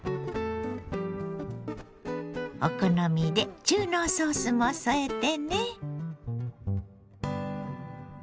お好みで中濃ソースも添えてね。